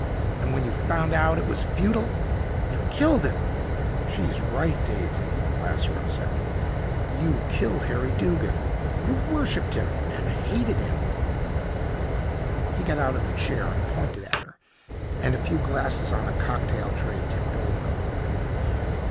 And when you found out it was futile you killed him!" "She's right, Daisy," Lasseroe said. "You killed Harry Duggin. You worshipped him and hated him!" He got out of the chair and pointed at her, and a few glasses on a cocktail tray tipped over.